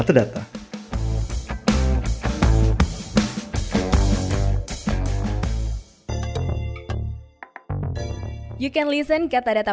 itu adalah interview saya dengan arief tirta